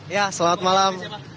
ya selamat malam